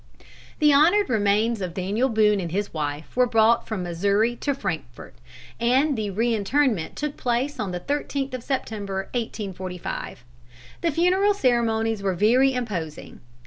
The honored remains of Daniel Boone and his wife were brought from Missouri to Frankfort, and the re interment took place on the 13th of September, 1845. The funeral ceremonies were very imposing.